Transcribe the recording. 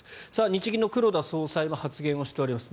日銀の黒田総裁も発言をしています。